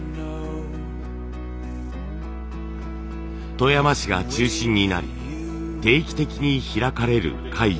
富山市が中心になり定期的に開かれる会議。